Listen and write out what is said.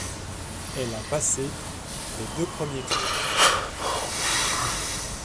Elle a passé les deux premiers tours.